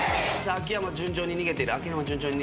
秋山順調に逃げている。